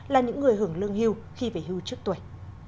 là những người hưởng lương hưu khi về hưu trước tuổi